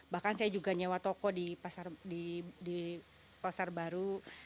bahkan saya juga nyewa toko di pasar baru